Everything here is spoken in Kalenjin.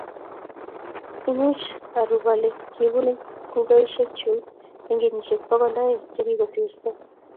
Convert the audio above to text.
imuch arub ole kibunu kukoisiekyu eng kenyisiek pokol aeng chekikosirto